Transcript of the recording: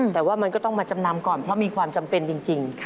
แต่ว่ามันก็ต้องมาจำนำก่อนเพราะมีความจำเป็นจริง